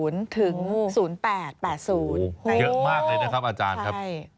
เยอะมากเลยนะครับอาจารย์ครับ